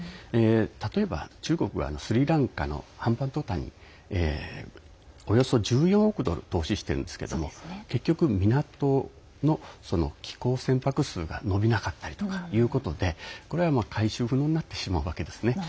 例えば中国はスリランカのハンバントタ港におよそ１４億ドル投資してるんですけども結局、港の寄港船舶数が伸びなかったりということで回収不能になってしまうわけです。